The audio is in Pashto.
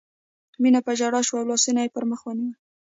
مينه په ژړا شوه او لاسونه یې پر مخ ونیول